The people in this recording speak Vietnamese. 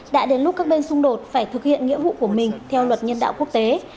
đã đến lúc các bên xung đột phải thực hiện nghĩa vụ của mình theo luật nhân đạo quốc tế